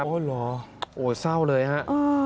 โอ้โหเส้าเลยครับ